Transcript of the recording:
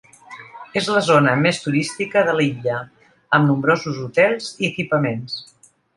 És la zona més turística de l'illa, amb nombrosos hotels i equipaments.